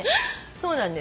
そうなんです。